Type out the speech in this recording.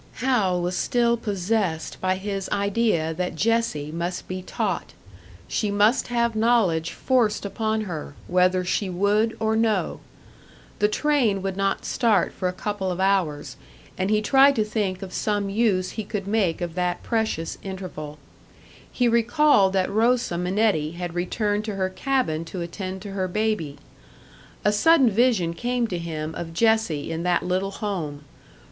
Hal was still possessed by his idea that Jessie must be taught she must have knowledge forced upon her, whether she would or no. The train would not start for a couple of hours, and he tried to think of some use he could make of that precious interval. He recalled that Rosa Minetti had returned to her cabin to attend to her baby. A sudden vision came to him of Jessie in that little home.